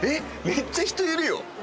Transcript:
めっちゃ人いるよ